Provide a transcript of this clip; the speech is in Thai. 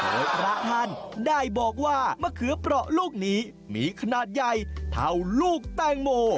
โดยพระท่านได้บอกว่ามะเขือเปราะลูกนี้มีขนาดใหญ่เท่าลูกแตงโม